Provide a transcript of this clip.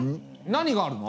何があるの？